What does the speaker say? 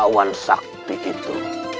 kauan sakti itu